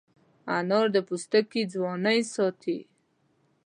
انار د پوستکي ځوانۍ ساتي.